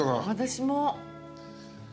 私も。